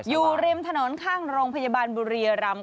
อยู่ริมถนนข้างโรงพยาบาลบุรียรำ